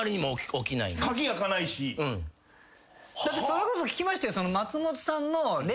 それこそ聞きましたよ。